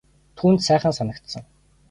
Түүнд сайхан санагдсан.